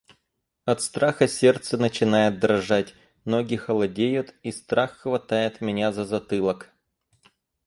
От страха сердце начинает дрожать, ноги холодеют и страх хватает меня за затылок.